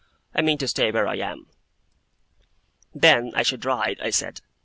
'I mean to stay where I am.' Then, I should ride, I said.